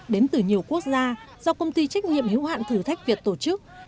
đến từ nhiều quốc gia do công ty trách nhiệm hữu hạn thử thách việt tổ chức